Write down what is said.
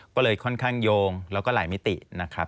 ก็เลยค่อนข้างโยงแล้วก็หลายมิตินะครับ